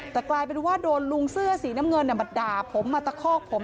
แต่กลายเป็นว่าโดนลุงเสื้อสีน้ำเงินมาด่าผมมาตะคอกผม